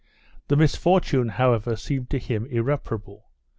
The misfortune, however, seemed to him irreparable.